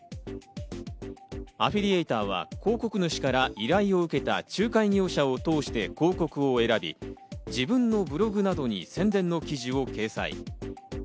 アフェリエイターは広告主から依頼を受けた仲介業者を通して広告を選び自分のブログなどに宣伝の記事を掲載。